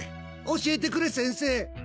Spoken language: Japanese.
教えてくれ先生！